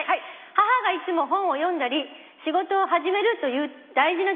「母がいつも本を読んだり仕事を始めるという大事なときにかぎって」